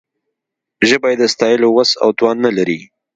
ژبه یې د ستایلو وس او توان نه لري.